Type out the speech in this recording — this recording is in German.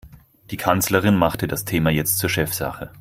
Die Kanzlerin machte das Thema jetzt zur Chefsache.